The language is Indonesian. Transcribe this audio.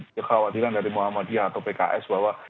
kekhawatiran dari muhammadiyah atau pks bahwa